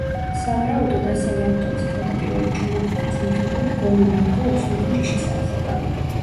სავარაუდოდ, ასევე ავტორის თავდაპირველი ჩანაფიქრის მიხედვით, გოლუმი იყო უცნობი ჯიშის არსება.